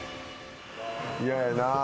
嫌やなぁ。